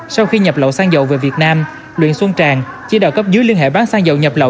sau khi nhập lậu xăng dầu về việt nam luyện xuân tràng chỉ đào cấp dưới liên hệ bán xăng dầu nhập lậu